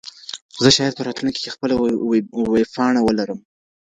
زه شاید په راتلونکي کي خپله ویبپاڼه ولرم.